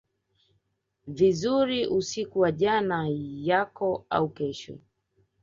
vizuri usiku wa jana yako au kesho